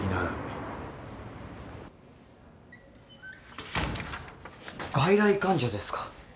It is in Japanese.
・外来患者ですか？